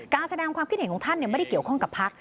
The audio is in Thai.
แสดงความคิดเห็นของท่านไม่ได้เกี่ยวข้องกับพัก